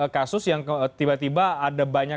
kasus yang tiba tiba ada banyak